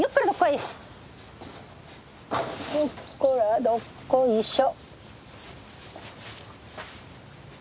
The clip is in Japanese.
よっこらどっこいしょ。